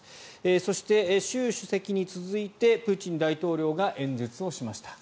そして、習主席に続いてプーチン大統領が演説をしました。